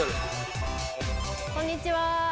こんにちは。